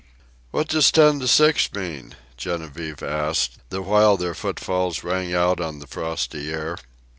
"What does ten to six mean?" Genevieve asked, the while their footfalls rang out on the frosty air.